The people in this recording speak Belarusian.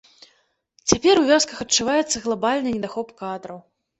Цяпер у вёсках адчуваецца глабальны недахоп кадраў.